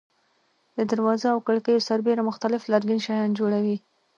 د دروازو او کړکیو سربېره مختلف لرګین شیان جوړوي.